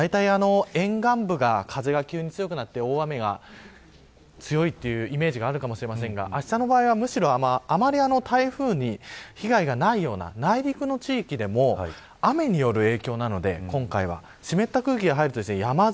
台風ですと、だいたい沿岸部が風が急に強くなって大雨が強いというイメージがあるかもしれませんがあしたの場合はむしろあまり台風に被害がないような内陸の地域でも雨による影響なので、今回は。